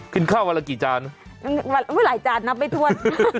ขึ้นข้าวเวลากี่จานหลายจานนะไม่ทวด